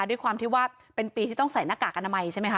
ด้วยความที่ว่าเป็นปีที่ต้องใส่หน้ากากอนามัยใช่ไหมค